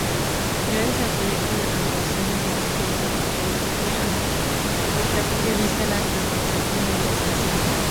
Gracias al proyecto de renovación de Basurto-Olabeaga, está prevista la reubicación de la estación.